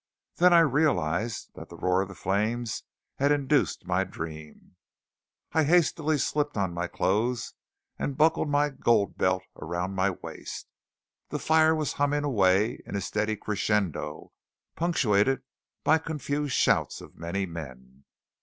Then I realized that the roar of the flames had induced my dream. I hastily slipped on my clothes and buckled my gold belt around my waist. The fire was humming away in a steady crescendo, punctuated by confused shouts of many men.